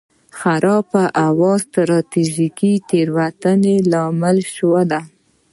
خرابه هوا او ستراتیژیکې تېروتنې لامل شول.